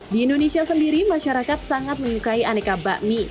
di indonesia sendiri masyarakat sangat menyukai aneka bakmi